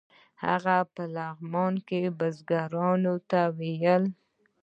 هغه په لغمان کې بزګرانو ته ویل.